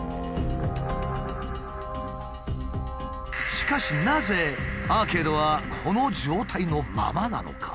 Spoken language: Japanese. しかしなぜアーケードはこの状態のままなのか？